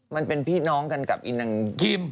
มันเป็นพี่น้องกันกับอินังกิม